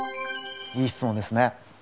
いい質問ですね。